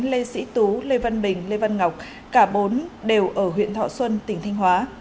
lê sĩ tú lê văn bình lê văn ngọc cả bốn đều ở huyện thọ xuân tỉnh thanh hóa